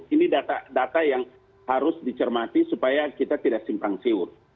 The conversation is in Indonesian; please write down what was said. ini data yang harus dicermati supaya kita tidak simpang siur